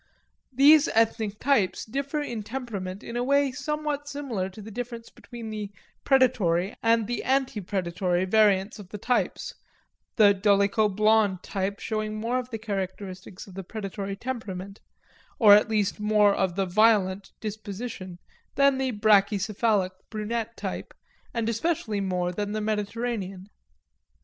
These ethnic types differ in temperament in a way somewhat similar to the difference between the predatory and the antepredatory variants of the types; the dolicho blond type showing more of the characteristics of the predatory temperament or at least more of the violent disposition than the brachycephalic brunette type, and especially more than the Mediterranean.